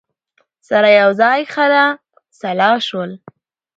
سره یوځای خلع سلاح شول